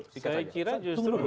saya kira justru